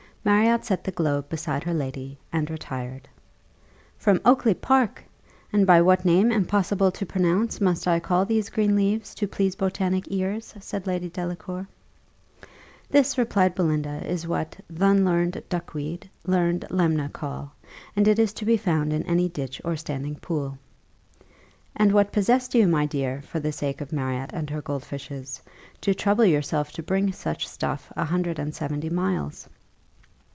Marriott set the globe beside her lady, and retired. "From Oakly park! And by what name impossible to pronounce must I call these green leaves, to please botanic ears?" said Lady Delacour. "This," replied Belinda, "is what 'Th'unlearned, duckweed learned, lemna, call; and it is to be found in any ditch or standing pool." "And what possessed you, my dear, for the sake of Marriott and her gold fishes, to trouble yourself to bring such stuff a hundred and seventy miles?"